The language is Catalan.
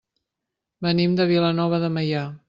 Venim de Vilanova de Meià.